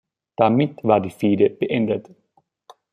Damit war die Fehde beendet.